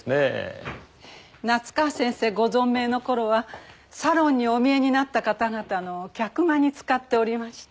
夏河先生ご存命の頃はサロンにお見えになった方々の客間に使っておりました。